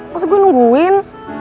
masuk gue nungguin